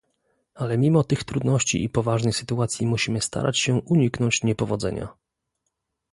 Ale mimo tych trudności i poważnej sytuacji, musimy starać się uniknąć niepowodzenia